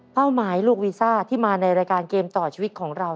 หมายลูกวีซ่าที่มาในรายการเกมต่อชีวิตของเรา